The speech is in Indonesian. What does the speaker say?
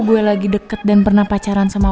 gue lagi deket dan pernah pacaran sama